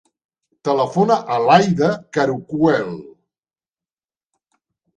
Telefona a l'Aïda Caracuel.